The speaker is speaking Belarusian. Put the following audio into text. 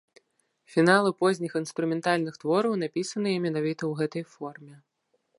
Фіналы позніх інструментальных твораў напісаныя менавіта ў гэтай форме.